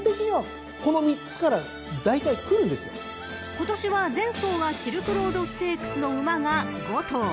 ［今年は前走がシルクロードステークスの馬が５頭］